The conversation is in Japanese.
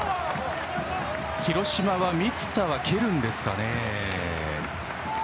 広島は満田は蹴るんですかね。